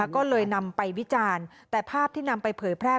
ก็เลยนำไปวิจารณ์แต่ภาพที่นำไปเผยแพร่